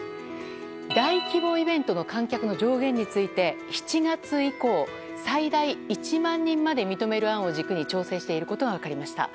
大規模イベントの観客の上限について７月以降、最大１万人まで認める案を軸に調整していることが分かりました。